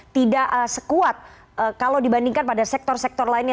tidak sekuat kalau dibandingkan pada sektor sektor lainnya